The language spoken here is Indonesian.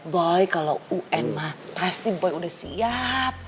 boy kalau un pasti boy udah siap